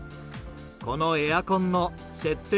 このエアコンの設定